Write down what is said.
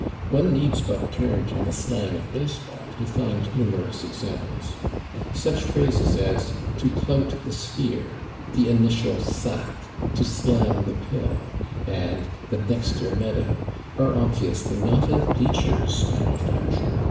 One needs but turn to the slang of baseball to find numerous examples. Such phrases as /to clout the sphere/, /the initial sack/, /to slam the pill/ and /the dexter meadow/ are obviously not of bleachers manufacture.